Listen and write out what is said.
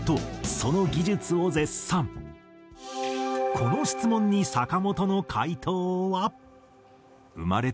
この質問に坂本の回答は。